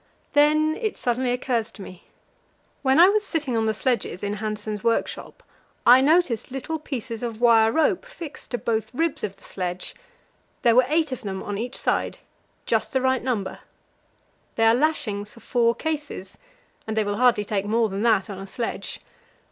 Then it suddenly occurs to me. When I was sitting on the sledges in Hanssen's workshop, I noticed little pieces of wire rope fixed to both ribs of the sledge. There were eight of them on each side just the right number. They are lashings for four cases, and they will hardly take more than that on a sledge.